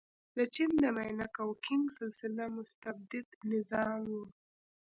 د چین د مینګ او کینګ سلسله مستبد نظام و.